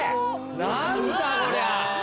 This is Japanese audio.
何だこりゃ！